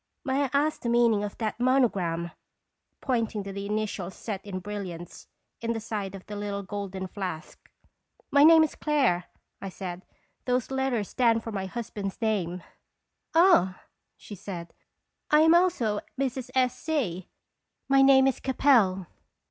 May I ask the meaning of that mon ogram?" pointing to the initials set in bril liants in the side of the little gold flask. " My name is Clare/' I said. " Those let ters stand for my husband's name." "Ah!" she said, "I am also Mrs. S. C. My name is Capel."